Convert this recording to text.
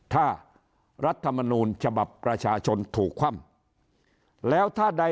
ถ้ารัฐมนูญฉบับประชาชนถูกคว่ำ